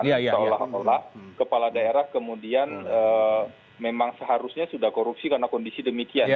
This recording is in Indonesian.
seolah olah kepala daerah kemudian memang seharusnya sudah korupsi karena kondisi demikian